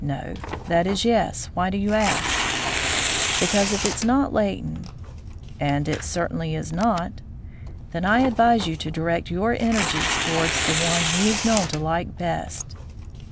"No; that is, yes. Why do you ask?" "Because if it is not Leighton " "And it certainly is not." "Then I advise you to direct your energies towards the one he is known to like best."